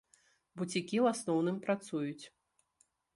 Буцікі, у асноўным, працуюць.